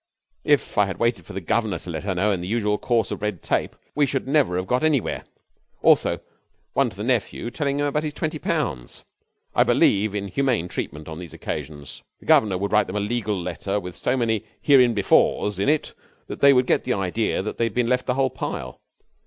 If I had waited for the governor to let her know in the usual course of red tape we should never have got anywhere. Also one to the nephew, telling him about his twenty pounds. I believe in humane treatment on these occasions. The governor would write them a legal letter with so many "hereinbefores" in it that they would get the idea that they had been left the whole pile.